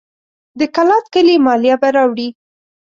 د کلات کلي مالیه به راوړي.